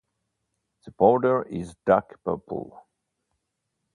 The powder is dark purple.